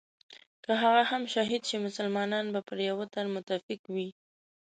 که هغه هم شهید شي مسلمانان به پر یوه تن متفق وي.